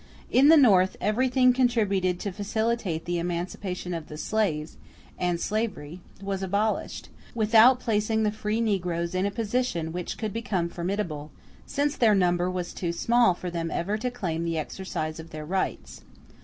In the North everything contributed to facilitate the emancipation of the slaves; and slavery was abolished, without placing the free negroes in a position which could become formidable, since their number was too small for them ever to claim the exercise of their rights.